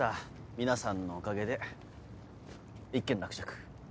皆さんのおかげで一件落着。